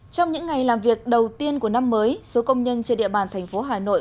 trong những ngày làm việc đầu tiên của năm mới số công nhân trên địa bàn thành phố hà nội